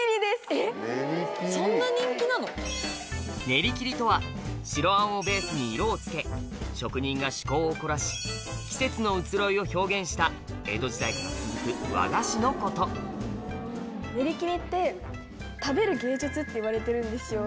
練り切りとは白餡をベースに色を付け職人が趣向を凝らし季節の移ろいを表現した江戸時代から続く和菓子のことっていわれてるんですよ。